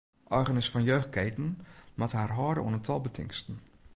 Eigeners fan jeugdketen moatte har hâlde oan in tal betingsten.